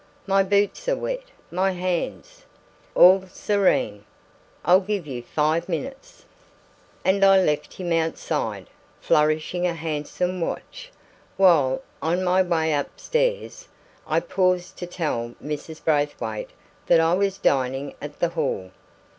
"My boots are wet; my hands " "All serene! I'll give you five minutes." And I left him outside, flourishing a handsome watch, while, on my way upstairs, I paused to tell Mrs. Braithwaite that I was dining at the hall.